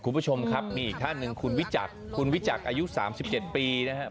คุณผู้ชมครับมีอีกท่านหนึ่งคุณวิจักรคุณวิจักรอายุ๓๗ปีนะครับ